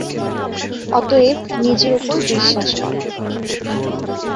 অতএব নিজের উপর বিশ্বাস কর।